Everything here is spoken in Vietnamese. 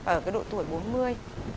ở cái độ tuổi bốn mươi